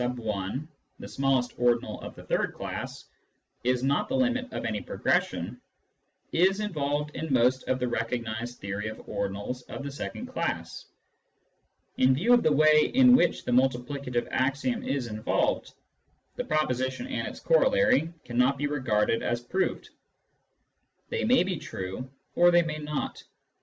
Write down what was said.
(the smallest ordinal of the third class) is not the limit of any progression, is involved in most of the recognised theory of ordinals of the second class. In view of the way in which the multiplicative axiom is involved, the proposition and its corollary cannot be regarded as proved. They may be true, or they may not.